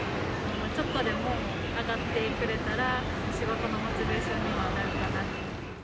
ちょっとでも上がってくれたら、仕事のモチベーションにもなるかなって。